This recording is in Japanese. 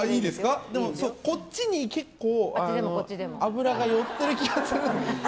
でも、こっちに結構脂が寄ってる気がするんです。